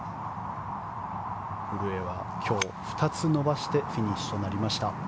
古江は今日、２つ伸ばしてフィニッシュとなりました。